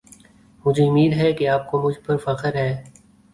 مجھے اُمّید ہے کی اپ کو مجھ پر فخر ہے۔